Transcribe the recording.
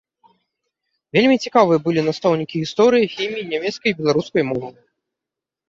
Вельмі цікавыя былі настаўнікі гісторыі, хіміі, нямецкай і беларускай моваў.